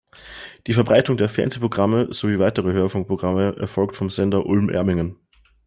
Die Verbreitung der Fernsehprogramme sowie weiterer Hörfunkprogramme erfolgt vom Sender Ulm-Ermingen.